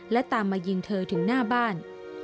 และตามมายิงเธอถึงหน้าบ้าน